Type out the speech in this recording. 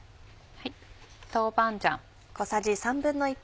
豆板醤。